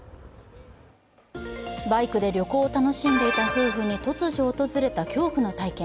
バイクで旅行を楽しんでいた夫婦に突如訪れた恐怖の体験。